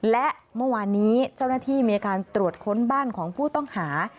และเมื่อวานนี้เจ้าหน้าที่มีการตรวจค้นบ้านของผู้ต้องหา